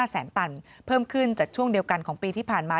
แสนตันเพิ่มขึ้นจากช่วงเดียวกันของปีที่ผ่านมา